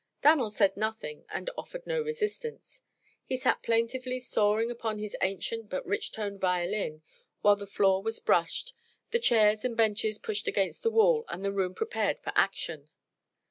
Dan'l said nothing and offered no resistance. He sat plaintively sawing upon his ancient but rich toned violin while the floor was brushed, the chairs and benches pushed against the wall and the room prepared for action.